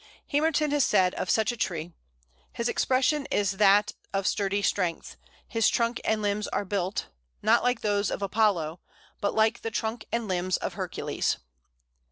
Hamerton has said of such a tree: "His expression is that of sturdy strength; his trunk and limbs are built, not like those of Apollo, but like the trunk and limbs of Hercules."